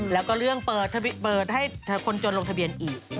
แล้วก็เรื่องเปิดให้คนจนลงทะเบียนอีก